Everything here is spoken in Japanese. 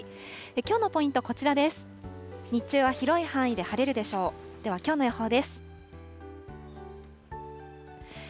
きょうのポイント、こちらです。